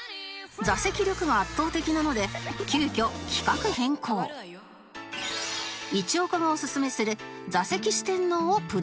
座席力が圧倒的なので急遽一岡がオススメする座席四天王をプレゼン